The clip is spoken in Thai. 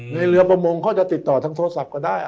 เรือประมงเขาจะติดต่อทางโทรศัพท์ก็ได้